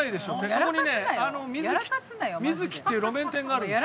そこにね瑞木っていう路面店があるんですよ。